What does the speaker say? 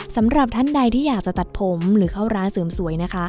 สำหรับท่านใดที่อยากจะตัดผมหรือเข้าร้านเสริมสวยนะคะ